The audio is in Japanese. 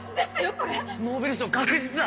これノーベル賞確実だ！